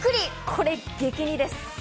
これ、激似です。